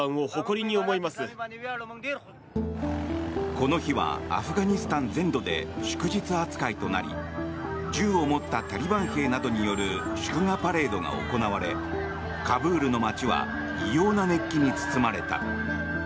この日はアフガニスタン全土で祝日扱いとなり銃を持ったタリバン兵などによる祝賀パレードが行われカブールの街は異様な熱気に包まれた。